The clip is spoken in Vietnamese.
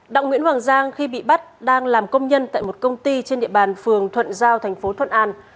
đạo nguyễn hoàng giang khi bị bắt đang làm công nhân tại một công ty trên địa bàn phường thuận giao thành phố thuận an